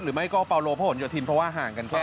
หรือไม่ก็ปาโลพระหลโยธินเพราะว่าห่างกันแค่